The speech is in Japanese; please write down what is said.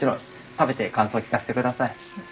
食べて感想聞かせてください。